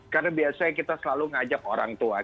karena biasanya kita selalu ngajak orang tua